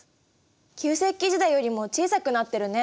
旧石器時代よりも小さくなってるね。